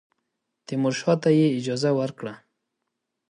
تیمورشاه ته یې اجازه ورکړه.